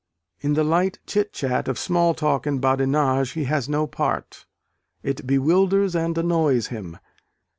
In the light chit chat of small talk and badinage he has no part: it bewilders and annoys him.